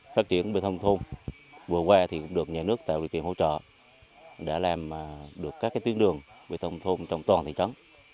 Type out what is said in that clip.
phát triển bê tông thôn vừa qua thì cũng được nhà nước tạo luyện kiện hỗ trợ đã làm được các tuyến đường bê tông thôn trong toàn thị trấn